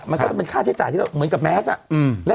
มันก็จะเป็นค่าใช้จ่ายที่เราเหมือนกับแมส